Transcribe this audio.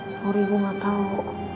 sorry gue gak tau